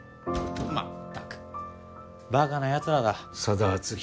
まったくバカなやつらだ佐田篤弘